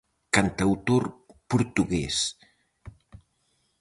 Cantautor portugués.